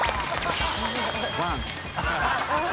ワン！